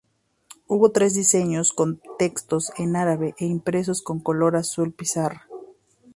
Hubo tres diseños con textos en árabe e impresos en color azul pizarra.